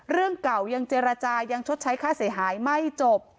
เรื่องเก่ายังเจรจายังชดใช้ค่าเสียหายไม่จบ